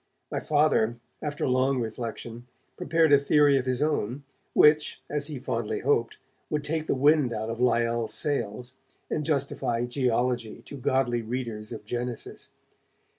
My Father, after long reflection, prepared a theory of his own, which, as he fondly hoped, would take the wind out of Lyell's sails, and justify geology to godly readers of 'Genesis'.